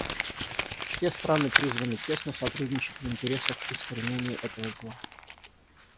Все страны призваны тесно сотрудничать в интересах искоренения этого зла.